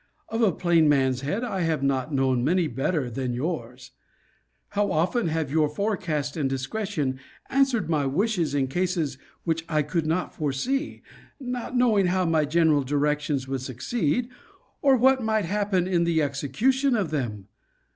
Of a plain man's head, I have not known many better than yours. How often have your forecast and discretion answered my wishes in cases which I could not foresee, not knowing how my general directions would succeed, or what might happen in the execution of them!